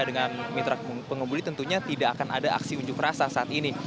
dengan mitra pengemudi tentunya tidak akan ada aksi unjuk rasa saat ini